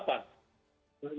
di amerika serikat